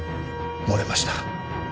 漏れました。